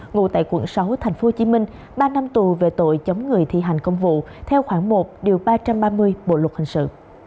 ngụ tại quận sáu tp hcm ba năm tù về tội chống người thi hành công vụ theo khoảng một điều ba trăm ba mươi bộ luật hình sự